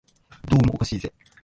どうもおかしいぜ